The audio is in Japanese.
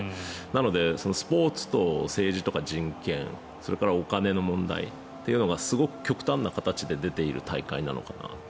なので、スポーツと政治とか人権それからお金の問題が極端な形で出ている大会なのかなと。